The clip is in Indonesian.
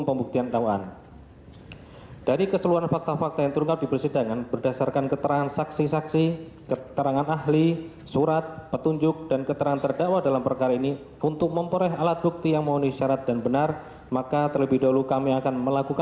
garis miring pit b garis miring enam garis miring dua ribu enam belas garis miring